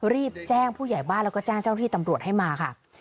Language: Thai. รีบแจ้งผู้ใหญ่บ้านแล้วก็แจ้งเจ้าที่ตำรวจให้มาค่ะ